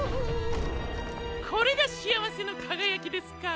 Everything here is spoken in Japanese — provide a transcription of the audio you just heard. これが「しあわせのかがやき」ですか。